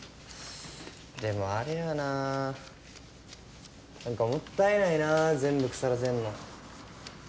でもあれやななんかもったいないな全部腐らせんの。